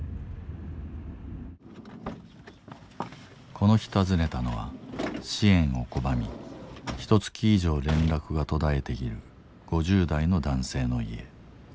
この日訪ねたのは支援を拒みひとつき以上連絡が途絶えている５０代の男性の家。